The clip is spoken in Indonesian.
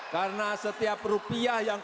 karena setiap rupiah yang kita ambil